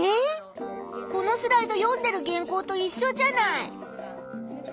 このスライド読んでる原稿といっしょじゃない。